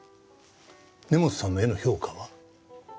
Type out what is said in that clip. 根本さんの絵の評価は？